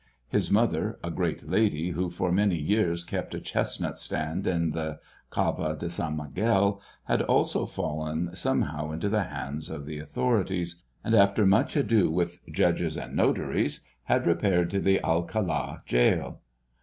His mother, a great lady who for many years kept a chestnut stand in the Cava de San Miguel, had also fallen somehow into the hands of the authorities, and after much ado with judges and notaries, had repaired to the Alcalá jail.